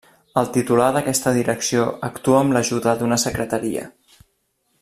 El titular d'aquesta direcció actua amb l'ajuda d'una Secretaria.